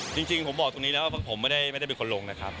จริงผมบอกตรงนี้แล้วว่าผมไม่ได้เป็นคนลงนะครับ